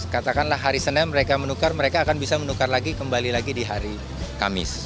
katakanlah hari senin mereka menukar mereka akan bisa menukar lagi kembali lagi di hari kamis